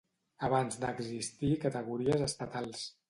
Abans d'existir categories estatals.